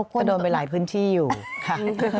ก็โดนไปหลายพื้นที่อยู่ค่ะ